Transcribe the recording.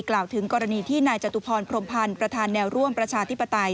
กล่าวถึงกรณีที่นายจตุพรพรมพันธ์ประธานแนวร่วมประชาธิปไตย